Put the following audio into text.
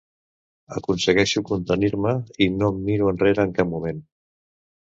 Aconsegueixo contenir-me i no miro enrere en cap moment.